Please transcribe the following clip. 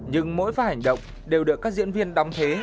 nhưng mỗi vài hành động đều được các diễn viên đóng thế